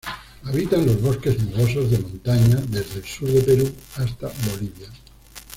Habita en los bosques nubosos de montaña desde el sur de Perú hasta Bolivia.